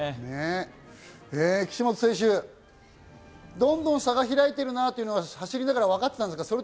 岸本選手、どんどん差が開いてるなというのは走りながら分かっていたんですか？